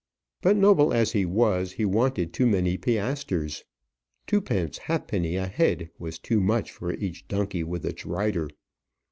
But, noble as he was, he wanted too many piastres twopence halfpenny a head too much for each donkey, with its rider.